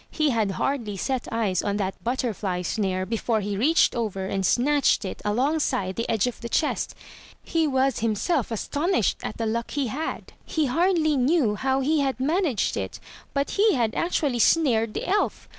He had hardly set eyes on that butterfly snare before he reached over and snatched it alongside the edge of the chest. He was him self astonished at the luck he had. He hardly knew how he had managed it — but he had actually snared the elf.